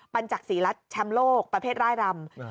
ัญจักษีรัฐแชมป์โลกประเภทร่ายรำ